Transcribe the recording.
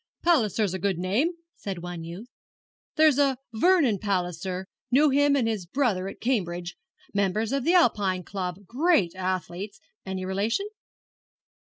'Palliser's a good name,' said one youth. 'There's a Sir Vernon Palliser knew him and his brother at Cambridge members of the Alpine Club great athletes. Any relation?'